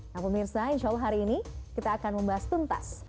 nah pemirsa insya allah hari ini kita akan membahas tuntas